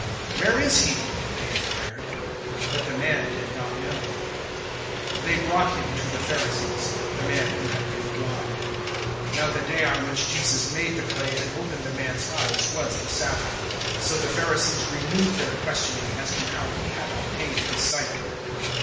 009:012 "Where is he?" they inquired, but the man did not know. 009:013 They brought him to the Pharisees the man who had been blind. 009:014 Now the day on which Jesus made the clay and opened the man's eyes was the Sabbath. 009:015 So the Pharisees renewed their questioning as to how he had obtained his sight.